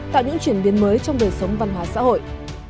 tạo những chuyển biến mới trong đời sống văn hóa xã hội